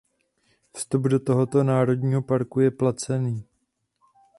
Vstup do tohoto národního parku je placený.